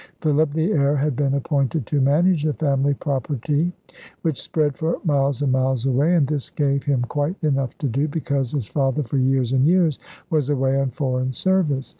Philip, the heir, had been appointed to manage the family property, which spread for miles and miles away; and this gave him quite enough to do, because his father for years and years was away on foreign service.